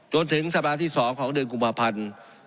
จนถึงสัปดาห์ที่๒ของเดือนกุมภาพันธ์